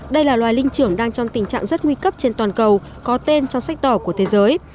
đây là loài linh trưởng đang trong tình trạng rất nguy cấp trên toàn cầu có tên trong sách đỏ của thế giới